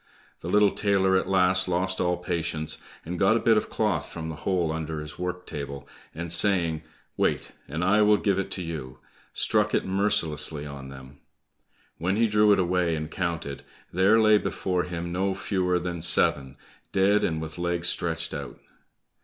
The little tailor at last lost all patience, and got a bit of cloth from the hole under his work table, and saying, "Wait, and I will give it to you," struck it mercilessly on them. When he drew it away and counted, there lay before him no fewer than seven, dead and with legs stretched out.